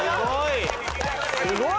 すごい！